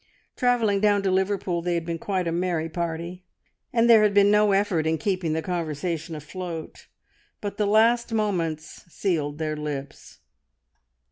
Travelling down to Liverpool they had been quite a merry party, and there had been no effort in keeping the conversation afloat; but the last moments sealed their lips.